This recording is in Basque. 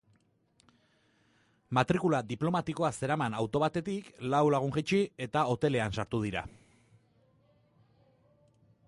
Matrikula diplomatikoa zeraman auto batetik lau lagun jaitsi, eta hotelean sartu dira.